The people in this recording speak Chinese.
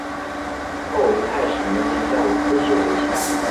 后于泰始年间嫁于孙秀为妻。